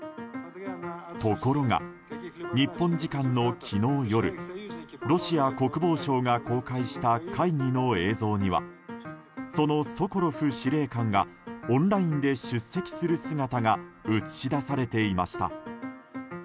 ところが、日本時間の昨日夜ロシア国防省が公開した会議の映像にはそのソコロフ司令官がオンラインで出席する姿が映し出されていました。